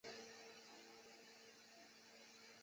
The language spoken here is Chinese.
月眉糖厂铁道简介